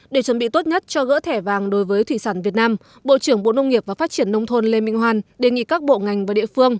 để chuẩn bị tốt nhất cho gỡ thẻ vàng đối với thủy sản việt nam bộ trưởng bộ nông nghiệp và phát triển nông thôn lê minh hoan đề nghị các bộ ngành và địa phương